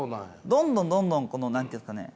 どんどんどんどんこの何て言うんですかね